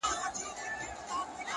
خوند كوي دا دوه اشــــنا.!